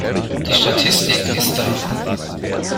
Die Statistik ist da.